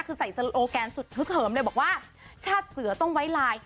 คือใส่สโลแกนสุดฮึกเหิมเลยบอกว่าชาติเสือต้องไว้ลาย